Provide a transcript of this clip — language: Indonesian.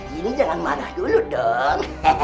jangan marah dulu dong